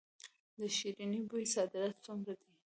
د شیرین بویې صادرات څومره دي؟